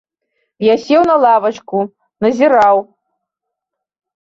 Я сеў на лавачку, назіраў.